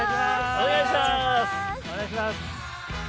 お願いします。